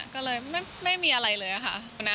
ก็เลยไม่มีอะไรเลยค่ะ